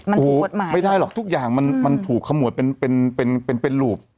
มันถูกกฎหมายโอ้ไม่ได้หรอกทุกอย่างมันถูกขมวดเป็นเป็นเป็น